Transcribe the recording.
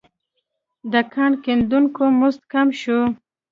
د کان کیندونکو مزد کم شو.